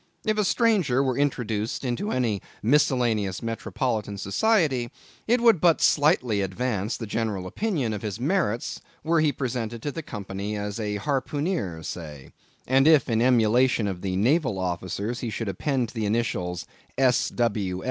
If a stranger were introduced into any miscellaneous metropolitan society, it would but slightly advance the general opinion of his merits, were he presented to the company as a harpooneer, say; and if in emulation of the naval officers he should append the initials S.W.